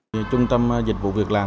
các trung tâm dịch vụ việc làm